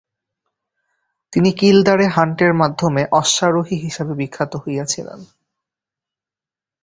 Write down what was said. তিনি কিলদারে হান্টের মাধ্যমে অশ্বারোহী হিসাবে বিখ্যাত হয়েছিলেন।